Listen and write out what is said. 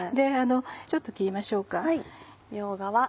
ちょっと切りましょうか。